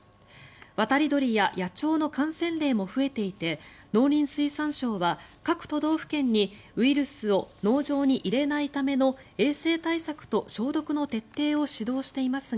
渡り鳥や野鳥の感染例も増えていて農林水産省は各都道府県にウイルスを農場に入れないための衛生対策と消毒の徹底を指導していますが